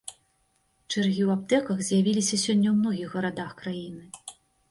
Чэргі ў аптэках з'явіліся сёння ў многіх гарадах краіны.